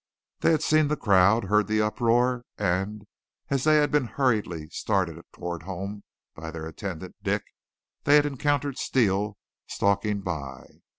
They had seen the crowd, heard the uproar; and, as they had been hurriedly started toward home by their attendant Dick, they had encountered Steele stalking by.